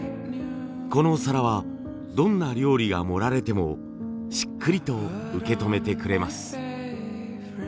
この皿はどんな料理が盛られてもしっくりと受け止めてくれます。